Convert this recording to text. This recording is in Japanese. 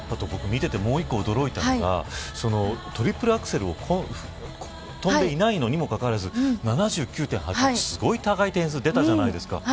僕は見ていてもう一つ驚いたのがトリプルアクセルを跳んでいないのにもかかわらず７９．８０すごい高い点数が出たじゃないですか。